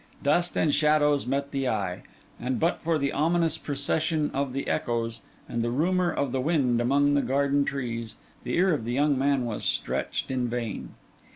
Dust and shadows met the eye; and but for the ominous procession of the echoes, and the rumour of the wind among the garden trees, the ear of the young man was stretched in vain.